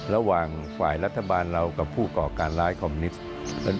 ระหว่างฝ่ายรัฐบาลเรากับผู้ก่อการร้ายคอมมิวส์